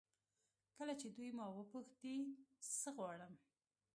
کله چې دوی ما وپوښتي څه غواړم.